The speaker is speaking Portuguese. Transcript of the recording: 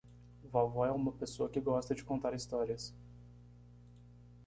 Vovó é uma pessoa que gosta de contar histórias.